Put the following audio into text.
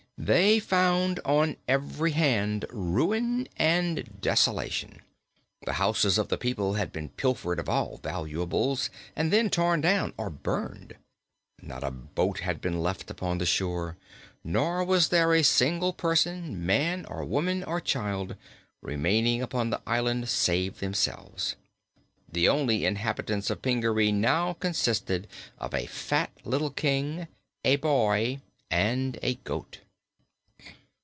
They found on every hand ruin and desolation. The houses of the people had been pilfered of all valuables and then torn down or burned. Not a boat had been left upon the shore, nor was there a single person, man or woman or child, remaining upon the island, save themselves. The only inhabitants of Pingaree now consisted of a fat little King, a boy and a goat.